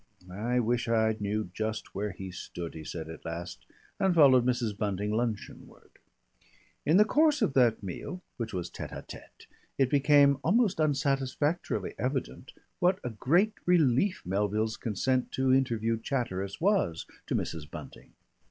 "I wish I knew just where he stood," he said at last, and followed Mrs. Bunting luncheonward. In the course of that meal, which was tête à tête, it became almost unsatisfactorily evident what a great relief Melville's consent to interview Chatteris was to Mrs. Bunting.